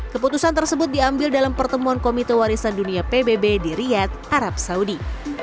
keputusan tersebut diambil dalam pertemuan komite warisan dunia pbb di riyadh arab saudi